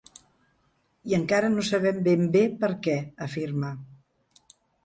I encara no sabem ben bé per què, afirma.